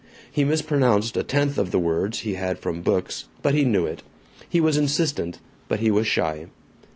He mispronounced a tenth of the words he had from books, but he knew it. He was insistent, but he was shy.